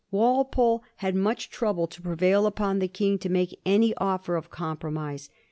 Walpole had much trouble to prevail upon the King to make any offer of compromise.